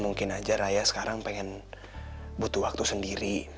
mungkin raya sekarang ingin membutuhkan waktu sendiri